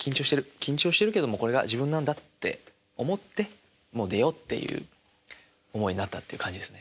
緊張してるけどもこれが自分なんだ」って思ってもう出ようっていう思いになったって感じですね。